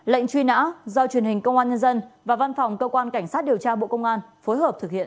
lệnh truy nã do truyền hình công an nhân dân và văn phòng cơ quan cảnh sát điều tra bộ công an phối hợp thực hiện